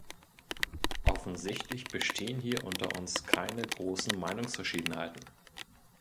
Offensichtlich bestehen hier unter uns keine großen Meinungsverschiedenheiten.